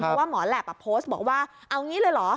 เพราะว่าหมอแหลปโพสต์บอกว่าเอางี้เลยเหรอ